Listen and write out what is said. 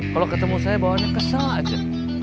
kalau ketemu saya bawanya kesel aja